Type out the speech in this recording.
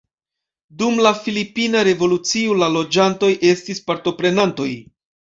Dum la filipina revolucio la loĝantoj estis partoprenantoj.